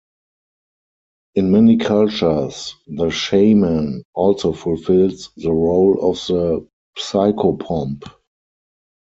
In many cultures, the shaman also fulfills the role of the psychopomp.